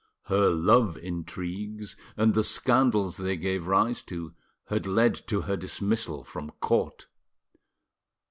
Her love intrigues and the scandals they gave rise to had led to her dismissal from court.